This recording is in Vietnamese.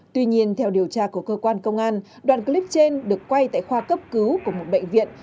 tuy nhiên theo điều tra của cơ quan công an đoạn clip trên được quay tại khoa cấp cứu của một bệnh viện